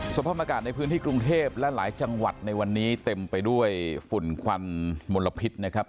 สภาพอากาศในพื้นที่กรุงเทพและหลายจังหวัดในวันนี้เต็มไปด้วยฝุ่นควันมลพิษนะครับ